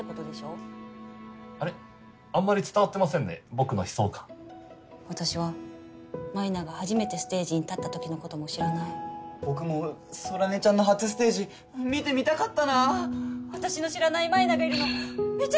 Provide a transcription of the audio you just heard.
僕の悲壮感私は舞菜が初めてステージに立った時のことも知らない僕も空音ちゃんの初ステージ見てみたかったなぁ私の知らない舞菜がいるのめちゃくちゃ悔しい！